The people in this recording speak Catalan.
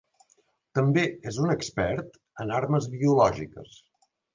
També és un expert en armes biològiques.